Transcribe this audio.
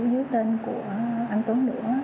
dưới tên của anh tuấn nữa